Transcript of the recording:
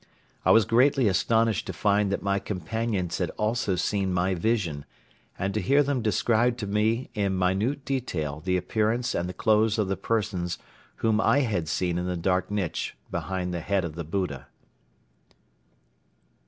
I was greatly astonished to find that my companions had also seen my vision and to hear them describe to me in minute detail the appearance and the clothes of the persons whom I had seen in the dark niche behind the head of Buddha.